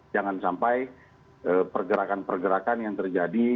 jangan sampai pergerakan pergerakan yang terjadi